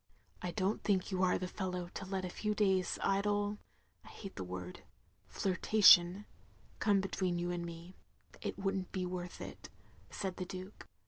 " I don't think you are the fellow to let a few days' idle — I hate the word — ^flirtation, — come between you and me; it wotdd n't be worth it," said the Duke.